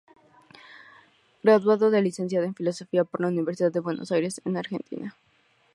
Graduado de licenciado en filosofía por la Universidad de Buenos Aires en Argentina.